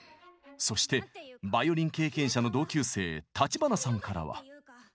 そしてバイオリン経験者の同級生立花さんからは。